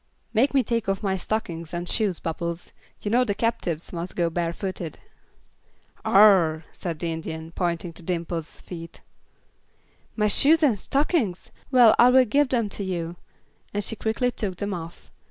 "Make me take off my stockings and shoes, Bubbles. You know the captives must go barefooted." "Ugh!" said the Indian, pointing to Dimple's feet. "My shoes and stockings? Well, I will give them to you," and she quickly took them off.